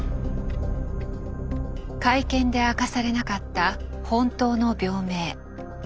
会見で明かされなかった本当の病名。